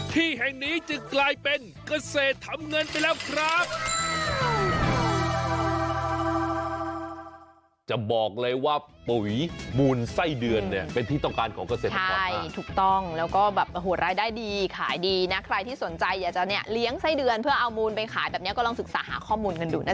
ที่แห่งนี้จึงกลายเป็นเกษตรทำเงินไปแล้วครับ